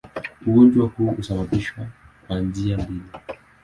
Ugonjwa huu husababishwa kwa njia mbili.